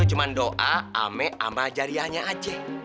cuman doa ame ama jariahnya aja